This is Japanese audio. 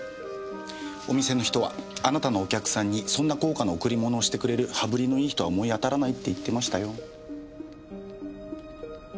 お店の人はあなたのお客さんにそんな高価な贈り物をしてくれる羽振りのいい人は思い当たらないって言ってましたよ。